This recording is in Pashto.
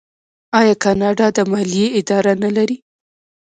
آیا کاناډا د مالیې اداره نلري؟